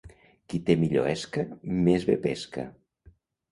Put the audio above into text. Qui té millor esca més bé pesca.